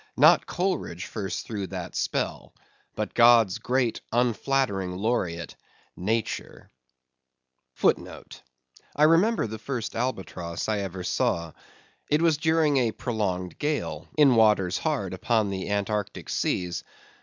Not Coleridge first threw that spell; but God's great, unflattering laureate, Nature.* *I remember the first albatross I ever saw. It was during a prolonged gale, in waters hard upon the Antarctic seas.